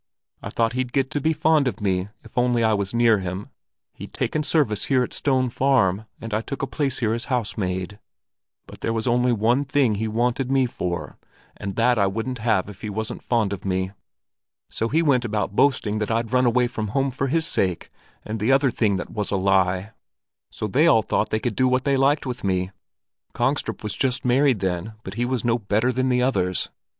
I thought he'd get to be fond of me, if only I was near him. He'd taken service here at Stone Farm, and I took a place here as housemaid; but there was only one thing he wanted me for, and that I wouldn't have if he wasn't fond of me. So he went about boasting that I'd run away from home for his sake, and the other thing that was a lie; so they all thought they could do what they liked with me. Kongstrup was just married then, but he was no better than the others.